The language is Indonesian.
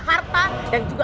kamu bisa ikut sama mereka